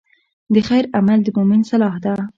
د خیر عمل د مؤمن سلاح ده.